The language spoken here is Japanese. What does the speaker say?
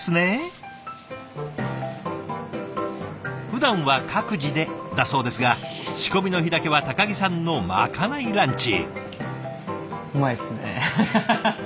ふだんは各自でだそうですが仕込みの日だけは木さんのまかないランチ。